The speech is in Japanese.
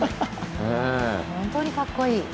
本当にかっこいい。